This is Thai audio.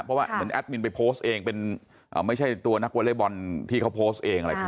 เพราะว่าเหมือนแอดมินไปโพสต์เองเป็นไม่ใช่ตัวนักวอเล็กบอลที่เขาโพสต์เองอะไรพวกนี้